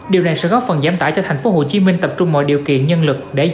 điều này sẽ góp phần giám tả cho thành phố hồ chí minh tập trung mọi điều kiện nhân lực để dập dịch